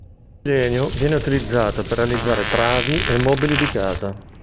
Il legno viene utilizzato per realizzare travi e mobili di casa.